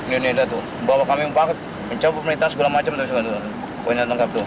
ini dia tuh bahwa kami mempakat mencabut menitah segala macem tuh